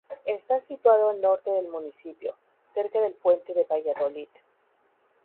Está situado al norte del municipio, cerca del Puente de Valladolid.